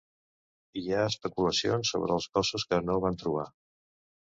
Hi ha especulacions sobre els cossos que no van trobar.